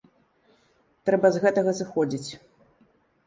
Трэба з гэтага зыходзіць.